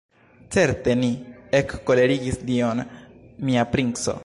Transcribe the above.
Certe ni ekkolerigis Dion, mia princo.